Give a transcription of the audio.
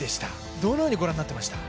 どのようにご覧になっていましたか？